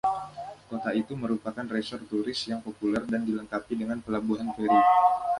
Kota itu merupakan resor turis yang populer dan dilengkapi dengan pelabuhan feri.